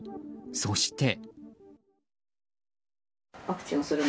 そして。